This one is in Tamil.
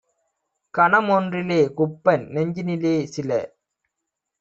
கணம்ஒன்றி லேகுப்பன் நெஞ்சினிலே - சில